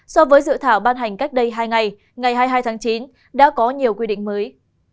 so với dự thảo ban hành cách đây hai ngày ngày hai mươi hai tháng chín đã có nhiều quy định mới